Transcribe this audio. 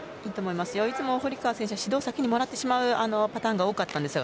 いつも堀川選手は指導を先にもらってしまうパターンが多かったんです。